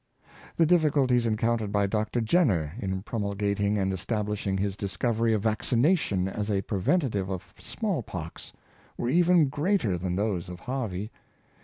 The difficulties encounted by Dr. Jenner in promul gating and establishing his discovery of vaccination as a preventive of small pox, were even greater than those of Harvey.